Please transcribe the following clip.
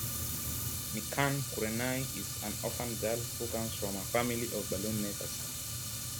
Mikan Kurenai is an orphaned girl who comes from a family of balloon makers.